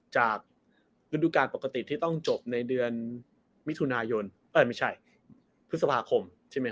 จากฤดูการปกติที่ต้องจบในเดือนพฤษภาคม